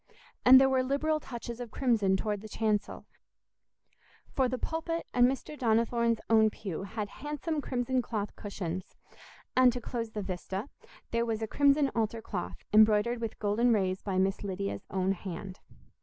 And there were liberal touches of crimson toward the chancel, for the pulpit and Mr. Donnithorne's own pew had handsome crimson cloth cushions; and, to close the vista, there was a crimson altar cloth, embroidered with golden rays by Miss Lydia's own hand.